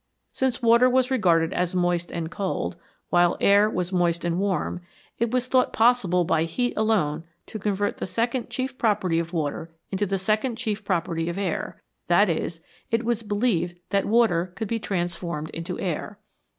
Since water was regarded as moist and cold, while air was moist and warm, it was thought possible by heat alone to convert the second chief property of water into the second chief property of air ; that is, it was believed that water could be transformed into air.